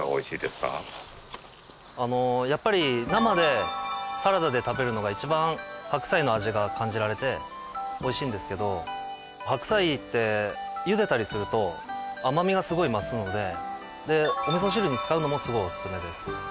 あのやっぱり生でサラダで食べるのが一番白菜の味が感じられて美味しいんですけど白菜って茹でたりすると甘みがすごい増すのでお味噌汁に使うのもすごいおすすめです。